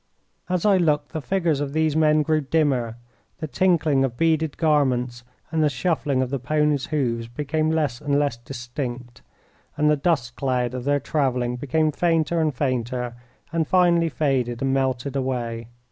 As I looked, the figures of these men grew dimmer. The tinkling of beaded garments and the shuffling of the ponies' hoofs became less and less distinct, and the dust cloud of their traveling became fainter and fainter, and finally faded and melted away.